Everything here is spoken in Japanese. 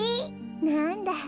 なんだ。